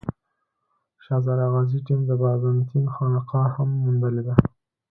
شهزاده غازي ټیم د بازنطین خانقا هم موندلې ده.